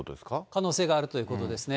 可能性があるということですね。